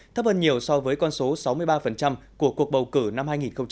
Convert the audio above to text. thấp hơn nhiều so với con số sáu mươi ba của cuộc bầu cử năm hai nghìn một mươi sáu